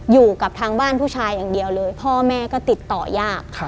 อยู่กับทางบ้านผู้ชายอย่างเดียวเลยพ่อแม่ก็ติดต่อยาก